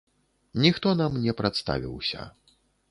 Ніхто нам не прадставіўся.